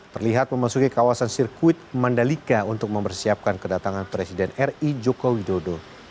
terlihat memasuki kawasan sirkuit mandalika untuk mempersiapkan kedatangan presiden ri joko widodo